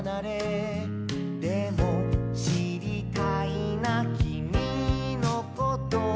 「でもしりたいなきみのこと」